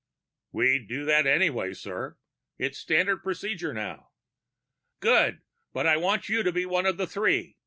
"We'd do that anyway, sir. It's standard procedure now." "Good. But I want you to be one of the three.